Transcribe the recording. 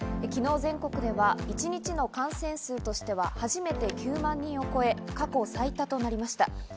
昨日、全国では一日の感染数としては初めて９万人を超え、過去最多となりました。